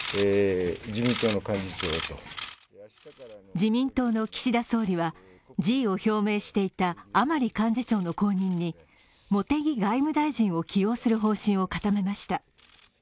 自民党の岸田総理は辞意を表明していた甘利幹事長の後任に茂木外務大臣を起用する方針を固めました。